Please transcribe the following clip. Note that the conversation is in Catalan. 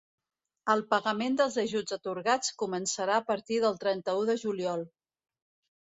El pagament dels ajuts atorgats començarà a partir del trenta-u de juliol.